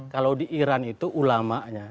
kalau di iran itu ulamanya